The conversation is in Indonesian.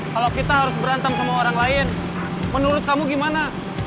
kalau kita harus berantem sama orang lain menurut kamu gimana